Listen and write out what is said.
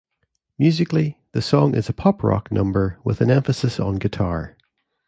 Musically, the song is a pop-rock number with an emphasis on guitar.